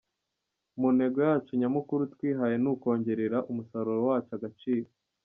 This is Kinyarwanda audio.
Mu ntego yacu nyamukuru twihaye ni ukongerera umusaruro wacu agaciro.